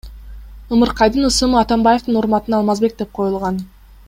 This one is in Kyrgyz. Ымыркайдын ысымы Атамбаевдин урматына Алмазбек деп коюлган.